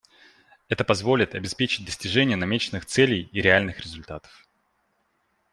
Это позволит обеспечить достижение намеченных целей и реальных результатов.